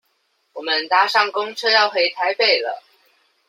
我們搭上公車要回台北了